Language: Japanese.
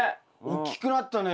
大きくなったね。